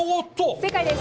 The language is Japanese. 正解です。